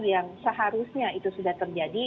yang seharusnya itu sudah terjadi